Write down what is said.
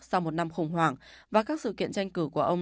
sau một năm khủng hoảng và các sự kiện tranh cử của ông